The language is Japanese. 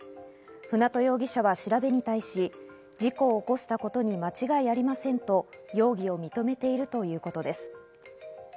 舟渡容疑者は調べに対し、事故を起こしたことに間違いありませんと容疑を認めているということです。